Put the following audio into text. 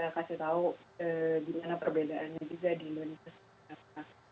jadi harus banyak kasih tahu perbedaannya juga di indonesia